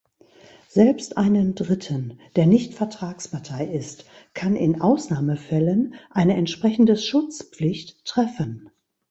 Selbst einen Dritten, der nicht Vertragspartei ist, kann in Ausnahmefällen eine entsprechende Schutzpflicht treffen.